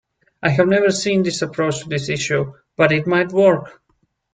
I have never seen this approach to this issue, but it might work.